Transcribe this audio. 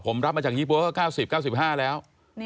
ผมรับมาจากยี่ปั๊วก็๙๐๙๕แล้ว